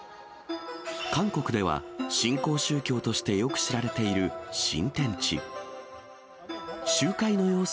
韓国では、新興宗教としてよく知られている新天地。